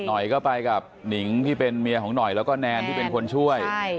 หน่อยก็ไปกับหนิงที่เป็นเมียของหน่อยแล้วก็แนนที่เป็นคนช่วย